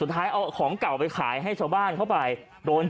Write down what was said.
ตากินแบบนี้มันไม่ดีนะ